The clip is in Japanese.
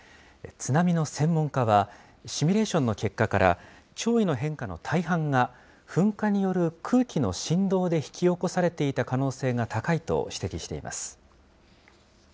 津波の専門家は、シミュレーションの結果から、潮位の変化の大半が、噴火による空気の振動で引き起こされていた可能性が高いと指摘しています。